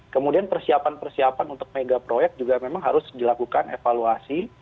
jadi persiapan persiapan untuk megaproyek juga memang harus dilakukan evaluasi